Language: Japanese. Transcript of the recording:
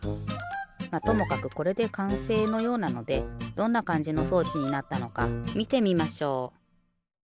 まっともかくこれでかんせいのようなのでどんなかんじの装置になったのかみてみましょう。